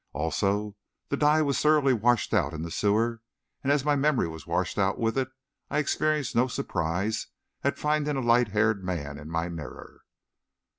Also, the dye was thoroughly washed out in the sewer, and as my memory was washed out with it, I experienced no surprise at finding a light haired man in my mirror.